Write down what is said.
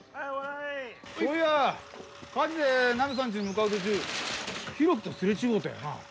そういや火事でナミさんちに向かう途中浩喜とすれ違うたよな？